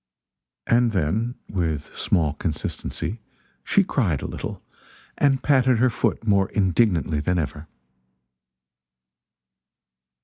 And then, with small consistency, she cried a little, and patted her foot more indignantly than ever.